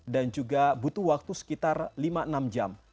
dan juga butuh waktu sekitar lima enam jam